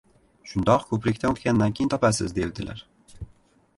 — Shundoq ko‘prikdan o‘tgandan keyin topasiz, devdilar.